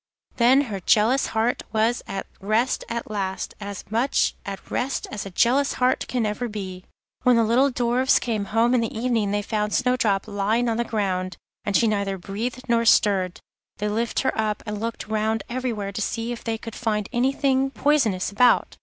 Then her jealous heart was at rest—at least, as much at rest as a jealous heart can ever be. When the little Dwarfs came home in the evening they found Snowdrop lying on the ground, and she neither breathed nor stirred. They lifted her up, and looked round everywhere to see if they could find anything poisonous about.